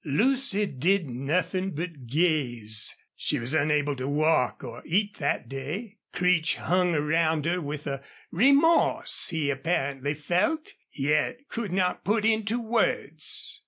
Lucy did nothing but gaze. She was unable to walk or eat that day. Creech hung around her with a remorse he apparently felt, yet could not put into words.